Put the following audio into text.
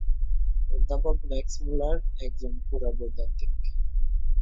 অধ্যপক Max Müller একজন পুরা বৈদান্তিক।